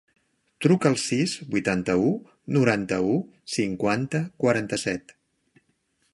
Truca al sis, vuitanta-u, noranta-u, cinquanta, quaranta-set.